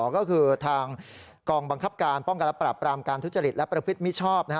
ก็คือทางกองบังคับการป้องกันและปรับปรามการทุจริตและประพฤติมิชชอบ